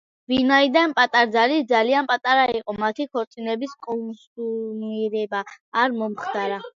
ვინაიდან პატარძალი ძალიან პატარა იყო, მათი ქორწინების კონსუმირება არ მომხდარა.